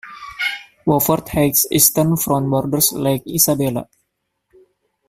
Wofford Heights' eastern front borders Lake Isabella.